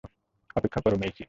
অপেক্ষা করো, মেইসি!